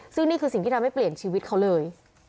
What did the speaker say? ซึ่งนี่คือสิ่งที่ทำให้เปลี่ยนชีวิตเขาเลย